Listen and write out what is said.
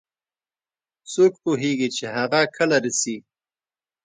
څوک پوهیږي چې هغه کله راځي